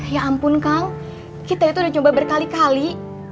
ya ampun kang kita itu udah coba berkali kali